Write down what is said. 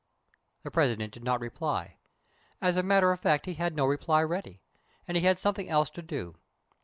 The President did not reply. As a matter of fact, he had no reply ready, and he had something else to do.